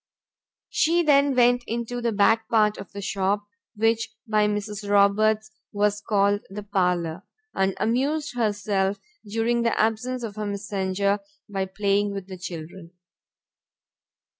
She then went into the back part of the shop, which by Mrs. Roberts was called the parlour, and amused herself during the absence of her messenger, by playing with the children.